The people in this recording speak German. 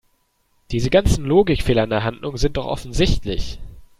Diese ganzen Logikfehler in der Handlung sind doch offensichtlich!